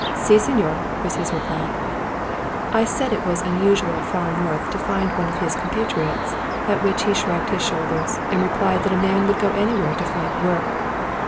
" Si, Signor," was his reply. I said it was unusually far north to find one of his com patriots ; at which he shrugged his shoulders, and replied that a man would go anywhere to find work.